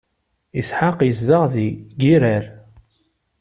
Isḥaq izdeɣ di Girar.